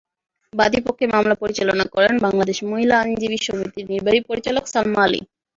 বাদীপক্ষে মামলা পরিচালনা করেন বাংলাদেশ মহিলা আইনজীবী সমিতির নির্বাহী পরিচালক সালমা আলী।